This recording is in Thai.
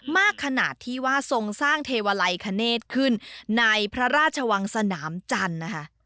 มากขนาดที่ว่าทรงสร้างเทวาลัยคเนธขึ้นในพระราชวังสนามจันทร์นะคะ